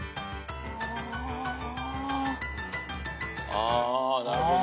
・あーなるほど。